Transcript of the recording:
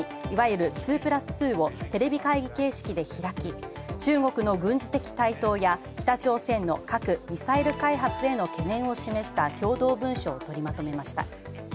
いわゆる２＋２をテレビ会議形式で開き、中国の軍事的台頭や北朝鮮の核・ミサイル開発への懸念を示した共同文章をとりまとめました。